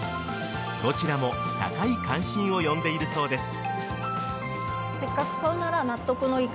どちらも高い関心を呼んでいるそうです。